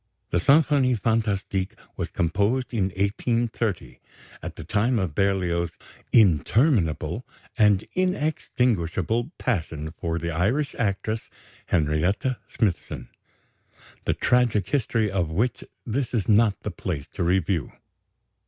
The Symphonie fantastique was composed in 1830, at the time of Berlioz's "interminable and inextinguishable" passion for the Irish actress Henrietta Smithson the tragic history of which this is not the place to review.